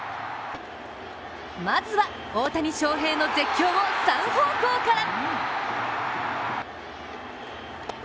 まずは大谷翔平の絶叫を３方向から。